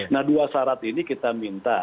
nah dua syarat ini kita minta